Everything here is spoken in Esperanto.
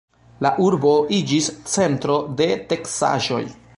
La urbo iĝis centro de teksaĵoj.